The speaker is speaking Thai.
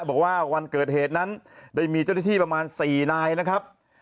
บอกว่าวันเกิดเหตุนั้นได้มีเจ้าหน้าที่ประมาณ๔นายนะครับ